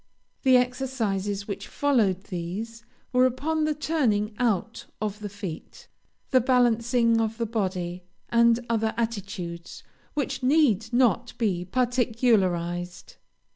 The exercises which followed these, were upon the turning out of the feet, the balancing of the body, and other attitudes, which need not be particularized.